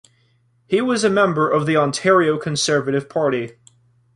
He was a member of the Ontario Conservative Party.